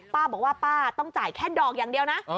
ป้าบอกว่าป้าต้องจ่ายแค่ดอกอย่างเดียวนะ